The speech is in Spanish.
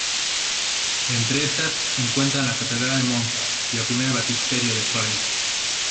Entre estas se encuentran la Catedral de Monza y el primer Baptisterio de Florencia.